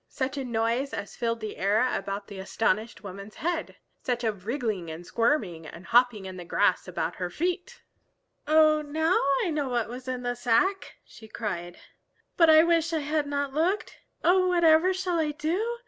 Such a noise as filled the air about the astonished woman's head! Such a wriggling and squirming and hopping in the grass about her feet! "Oh, now I know what was in the sack!" she cried. "But I wish I had not looked. Oh, whatever shall I do?